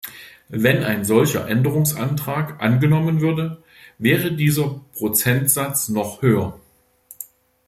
Wenn ein solcher Änderungsantrag angenommen würde, wäre dieser Prozentsatz noch höher.